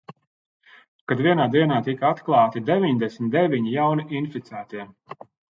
Kad vienā dienā tika atklāti deviņdesmit deviņi jauni inficētie.